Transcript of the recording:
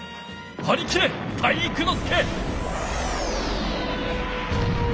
はりきれ体育ノ介！